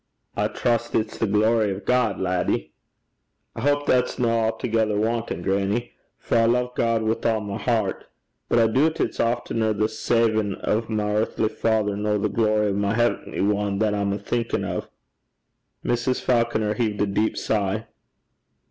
'I trust it's the glory o' God, laddie.' 'I houp that's no a'thegither wantin', grannie. For I love God wi' a' my hert. But I doobt it's aftener the savin' o' my earthly father nor the glory o' my heavenly ane that I'm thinkin' o'.' Mrs. Falconer heaved a deep sigh.